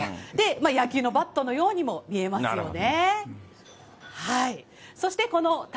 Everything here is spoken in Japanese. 野球のバットのようにも見えますよね。